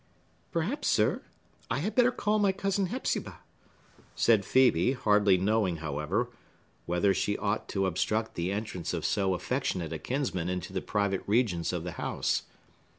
"Perhaps, sir, I had better call my cousin Hepzibah," said Phœbe; hardly knowing, however, whether she ought to obstruct the entrance of so affectionate a kinsman into the private regions of the house.